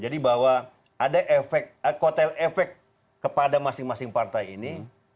jadi bahwa ada efek kotel efek kepada masing masing partai ini